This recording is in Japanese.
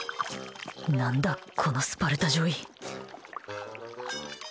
何だ、このスパルタ女医。